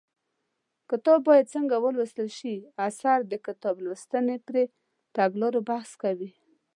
کتاب باید څنګه ولوستل شي اثر د کتاب لوستنې پر تګلارو بحث کوي